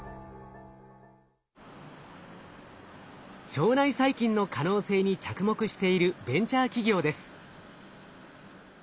腸内細菌の可能性に着目しているベンチャー企業です。